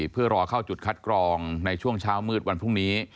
เพื่อรอเข้าจุดคัดกรองในช่วงเช้ามืดวันพรุ่งนี้